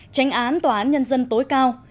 tránh án tòa án nhân dân tối cao